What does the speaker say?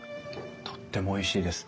とってもおいしいです。